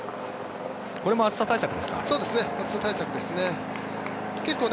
これも暑さ対策ですかね？